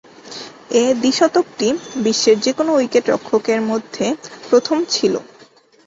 এ দ্বি-শতকটি বিশ্বের যে-কোন উইকেট-রক্ষকের মধ্যে প্রথম ছিল।